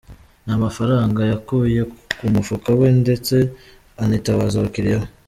Ni amafaranga yakuye ku mufuka we, ndetse anitabaza abakiriya be.